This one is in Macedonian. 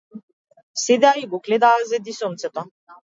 Седеа и го гледаат зајдисонцето.